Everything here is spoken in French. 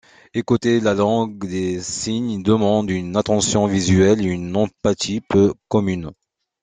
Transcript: Écouter la langue des signes demande une attention visuelle et une empathie peu communes.